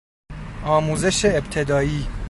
آموزش ابتدایی